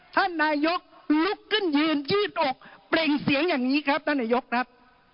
ท่านนายกลุกขึ้นยืนยืดอกเปล่งเสียงอย่างนี้ครับท่านนายกครับ